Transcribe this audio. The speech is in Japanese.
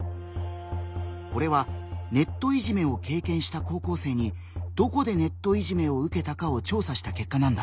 これはネットいじめを経験した高校生に「どこでネットいじめを受けたか」を調査した結果なんだ。